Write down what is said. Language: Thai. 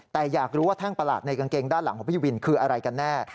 แต่อยากรู้ว่าแท่งประหลาดในกางเกงด้านหลังของพี่วินคืออะไรกันแน่